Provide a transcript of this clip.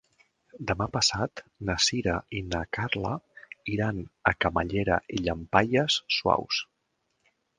Demà passat na Sira i na Carla iran a Camallera i Llampaies Saus.